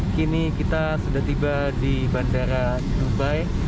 kini kita sudah tiba di bandara dubai